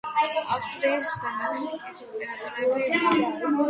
ავსტრიის და მექსიკის იმპერატორები მამა.